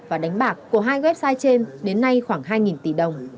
và đánh bạc của hai website trên đến nay khoảng hai tỷ đồng